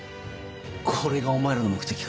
これがお前らの目的か。